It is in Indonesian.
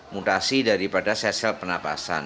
mutasi daripada sel sel penapasan